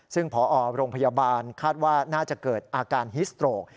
ซึ่งพอโรงพยาบาลคาดว่าน่าจะเกิดอาการฮิสโตรก